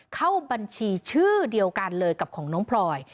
เข้าบัญชีชื่อเดียวกันเลยกับของน้องพลอย